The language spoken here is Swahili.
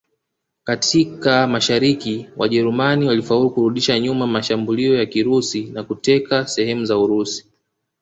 Katika Mashariki Wajerumani walifaulu kurudisha nyuma mashambulio ya Kirusi na kuteka sehemu za Urusi